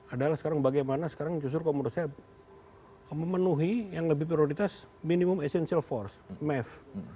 adalah sekarang bagaimana sekarang justru kalau menurut saya memenuhi yang lebih prioritas minimum essential force mave